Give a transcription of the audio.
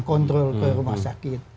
kontrol ke rumah sakit